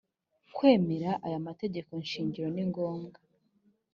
kwemera aya mategeko shingiro ni ngombwa